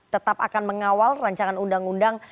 tetap akan mengawal rancangan undang undang